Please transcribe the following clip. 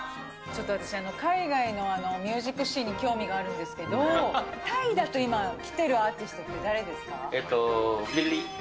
ちょっと私、海外のミュージックシーンに興味があるんですけど、タイだと今、きてるアーティストって誰ですか？